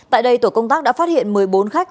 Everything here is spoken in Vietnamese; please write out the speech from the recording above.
tại đây tổ công tác đã phát hiện một mươi bốn khách